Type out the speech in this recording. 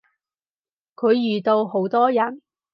佢遇到好多人